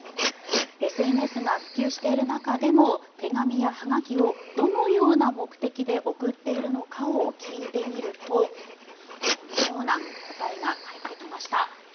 ＳＮＳが普及している中でも手紙やはがきをどのような目的で送っているのかを聞いてみるとこのような答えが返ってきました。